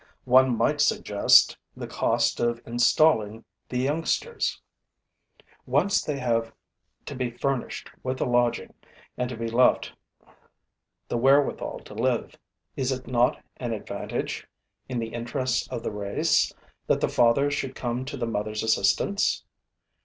One might suggest the cost of installing the youngsters. Once they have to be furnished with a lodging and to be left the wherewithal to live, is it not an advantage, in the interests of the race, that the father should come to the mother's assistance?